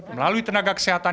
melalui tenaga kesehatan